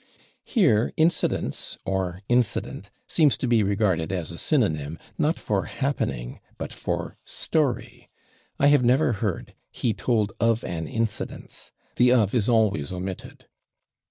Here /incidence/ (or /incident/) seems to be regarded as a synonym, not for /happening/, but for /story/. I have never heard "he told /of/ an incidence." The /of/ is always omitted.